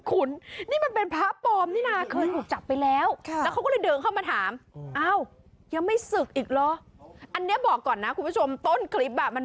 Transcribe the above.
คือพระอาทิตย์รูปนี้เขาบ้านแถวนั้นเขาเห็น